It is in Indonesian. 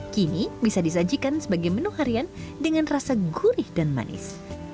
kini bisa disajikan sebagai menu harian dengan rasa gurih dan manis